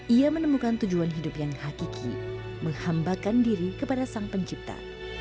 ia menemukan tujuan hidup yang hakiki menghambakan diri kepada sang pencipta